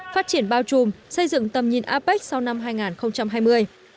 phát triển bao trùm xây dựng tầm nhìn apec sau năm hai nghìn hai mươi